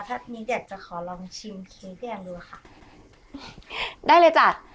ถ้านิดเดี๋ยวจะขอลองชิมเค้กพี่แอมดูล่ะค่ะได้เลยจ้ะ